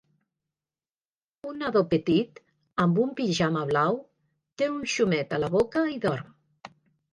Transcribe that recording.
Un nadó petit amb un pijama blau té un xumet a la boca i dorm.